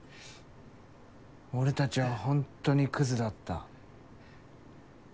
俺たちはほんとにクズだった。